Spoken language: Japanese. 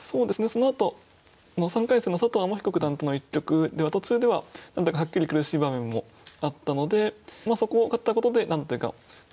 そのあとの３回戦の佐藤天彦九段との一局では途中では何だかはっきり苦しい場面もあったのでそこを勝ったことで何ていうか今期は結構本当